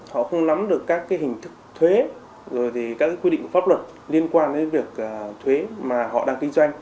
họ không lắm được các hình thức thuế các quy định pháp luật liên quan đến việc thuế mà họ đang kinh doanh